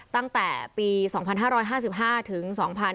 ตั้งแต่ปี๒๕๕๕ถึง๒๕๕๙